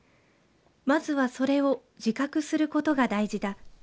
まずはそれを自覚することが大事だ。